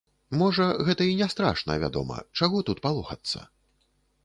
Можа, гэта і не страшна, вядома, чаго тут палохацца?